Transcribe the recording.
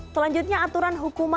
selanjutnya aturan hukuman kebiri kimia